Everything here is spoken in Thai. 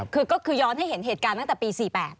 คือก็คือย้อนให้เห็นเหตุการณ์ตั้งแต่ปี๔๘